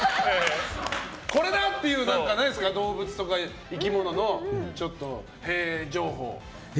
これだ！という動物とか生き物のへぇ情報。